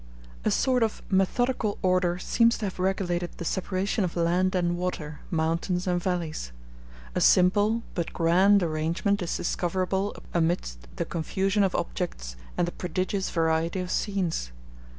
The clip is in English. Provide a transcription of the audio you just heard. A sort of methodical order seems to have regulated the separation of land and water, mountains and valleys. A simple, but grand, arrangement is discoverable amidst the confusion of objects and the prodigious variety of scenes.